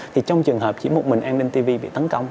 thì trong trường hợp chỉ một mình anintv bị tấn công